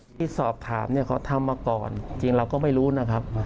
ที่สอบถามเนี่ยเขาทำมาก่อนจริงเราก็ไม่รู้นะครับ